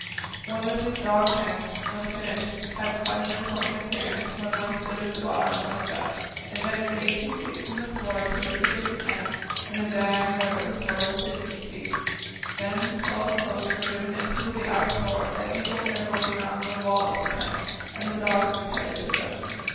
One of these dog tents, when finished, had quite an important appearance, when one stood at the bottom and looked up. It measured 18 feet from the floor to the peak of the tent, and the diameter of the floor was 15 feet. Then twelve posts were driven into the ice of the floor at equal intervals round the wall of the tent, and the dogs were tethered to them.